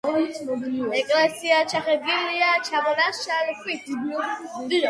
ეკლესია ჩახერგილია ჩამონაშალი ქვით.